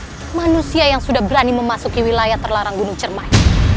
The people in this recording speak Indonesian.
untuk manusia yang sudah berani memasuki wilayah terlarang gunung cermai